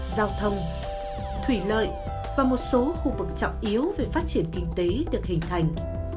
giao thông thủy lợi và một số khu vực trọng yếu về phát triển kinh tế được hình thành